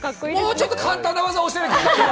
もうちょっと簡単な技、教えてくれないかな？